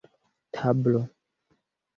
tablo